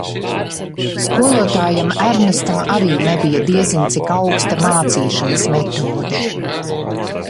Skolotājam Ernestam arī nebija diezin cik augsta mācīšanas metode.